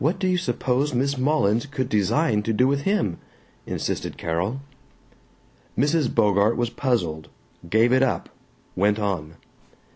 "What do you suppose Miss Mullins could design to do with him?" insisted Carol. Mrs. Bogart was puzzled, gave it up, went on.